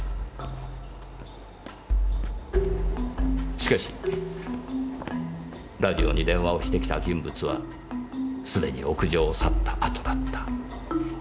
しかしラジオに電話をしてきた人物はすでに屋上を去った後だった。